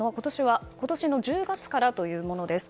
今年１０月からというものです。